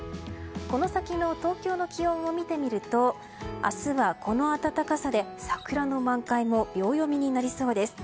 この先の東京の気温を見てみると明日は、この暖かさで桜の満開も秒読みになりそうです。